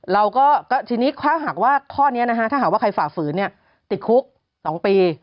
เราก็ทีนี้ถ้าหากว่าข้อนี้นะฮะถ้าหากว่าใครฝ่าฝืนติดคุก๒ปี